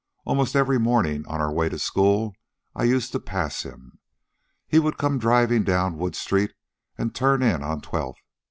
Almost every morning, on the way to school, I used to pass him. He would come driving down Wood Street and turn in on Twelfth.